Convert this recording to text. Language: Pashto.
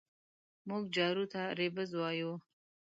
مونږ جارو ته رېبز يايو